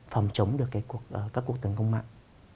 phòng chống được các cuộc tấn công mạng